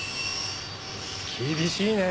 厳しいね。